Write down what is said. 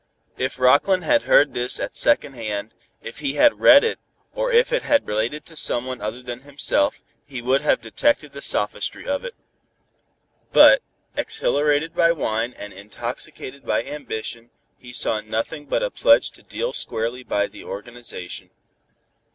If Rockland had heard this at second hand, if he had read it, or if it had related to someone other than himself, he would have detected the sophistry of it. But, exhilarated by wine and intoxicated by ambition, he saw nothing but a pledge to deal squarely by the organization.